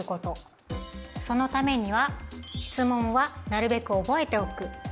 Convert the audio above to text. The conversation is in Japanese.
そのためには質問はなるべく覚えておく。